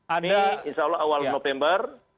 ini insya allah awal november